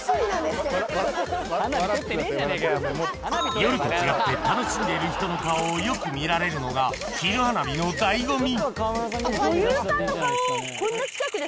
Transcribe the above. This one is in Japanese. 夜と違って楽しんでる人の顔をよく見られるのが昼花火の醍醐味